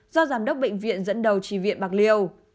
do giám đốc bệnh viện dẫn đầu trì viện bạc liêu